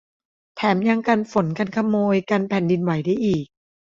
แถมยังกันฝนกันขโมยกันแผ่นดินไหวได้อีก